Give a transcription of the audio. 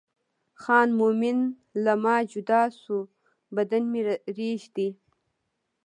خان مومن له ما جدا شو بدن مې رېږدي.